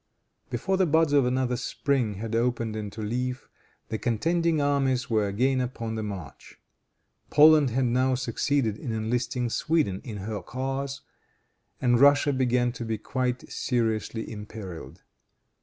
Before the buds of another spring had opened into leaf, the contending armies were again upon the march. Poland had now succeeded in enlisting Sweden in her cause, and Russia began to be quite seriously imperiled.